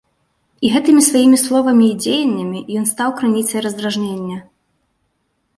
І гэтымі сваімі словамі і дзеяннямі ён стаў крыніцай раздражнення.